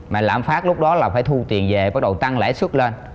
mà lãm phát lúc đó là phải thu tiền về bắt đầu tăng lãi suất lên